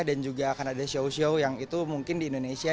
dan juga akan ada show show yang itu mungkin di indonesia